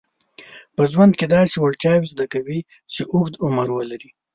په ژوند کې داسې وړتیاوې زده کوي چې اوږد عمر ولري.